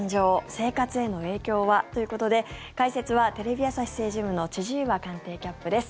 生活への影響は？ということで解説はテレビ朝日政治部の千々岩官邸キャップです。